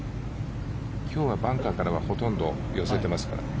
今日はバンカーからはほとんど寄せてますからね。